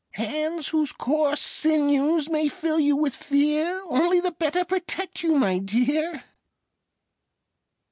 Hands whose coarse sinews may fill you with fear Only the better protect you, my dear!